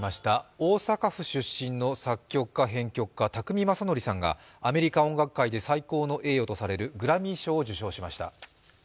大阪府出身の作曲家・編曲家、宅見さんがアメリカ音楽界で最高の栄誉とされるグラミー賞を受賞しました。